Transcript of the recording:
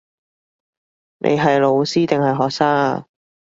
你係老師定係學生呀